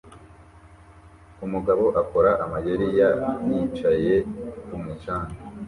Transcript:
Umugabo akora amayeri ya yicaye kumu canga